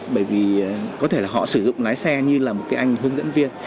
bởi vì có thể là họ sử dụng lái xe như là một cái anh hướng dẫn viên